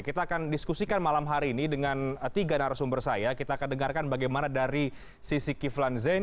kita akan diskusikan malam hari ini dengan tiga narasumber saya kita akan dengarkan bagaimana dari sisi kiflan zain